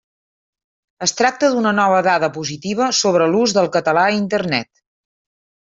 Es tracta d'una nova dada positiva sobre l'ús del català a Internet.